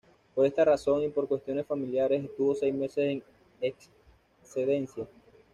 Por esta razón y por cuestiones familiares, estuvo seis meses en excedencia.